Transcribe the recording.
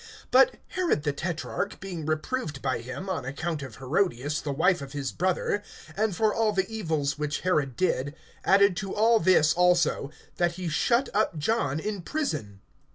(19)But Herod the tetrarch, being reproved by him on account of Herodias, the wife of his brother, and for all the evils which Herod did, (20)added to all this also, that he shut up John in prison.